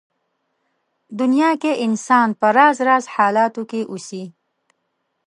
دنيا کې انسان په راز راز حالاتو کې اوسي.